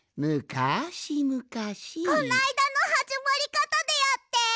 こないだのはじまりかたでやって。